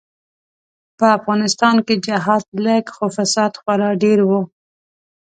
به افغانستان کی جهاد لږ خو فساد خورا ډیر وو.